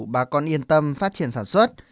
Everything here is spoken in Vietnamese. bà con yên tâm phát triển sản xuất